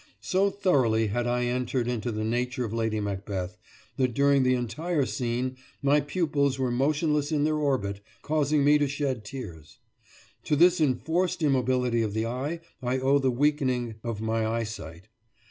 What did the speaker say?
So thoroughly had I entered into the nature of Lady Macbeth, that during the entire scene my pupils were motionless in their orbit, causing me to shed tears. To this enforced immobility of the eye I owe the weakening of my eyesight.